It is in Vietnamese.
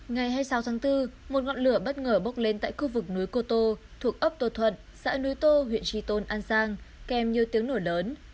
ngày hai mươi sáu tháng bốn một ngọn lửa bất ngờ bốc lên tại khu vực núi cô tô thuộc ấp tô thuận xã núi tô huyện tri tôn an giang kèm nhiều tiếng nổ lớn